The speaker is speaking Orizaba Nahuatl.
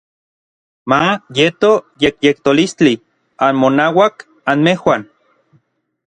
Ma yeto yekyetolistli anmonauak anmejuan.